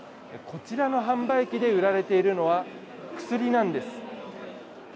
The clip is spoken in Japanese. こちらの販売機で売られているのは、薬なんです。